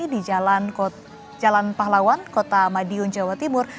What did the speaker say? di jalan pahlawan kota madiun jawa timur